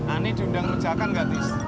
ani diundang rujakan gak tis